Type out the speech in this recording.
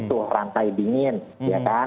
di mana itu rantai dingin ya kan